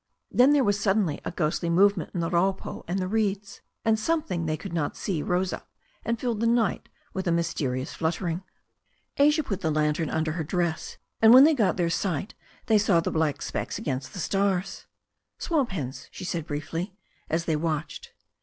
Then there was suddenly a ghostly movement in the rapoo and the reeds, and something they could not see rose up and filled the night with a mysterious fluttering. 3i8 THE STORY OP A NEW ZEALAND RIVEB Asia put the lantern under her dress, and when they got their sight they saw black specks against the stars. "Swamp hens," she said briefly, as they watched.